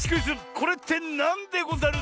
「これってなんでござる」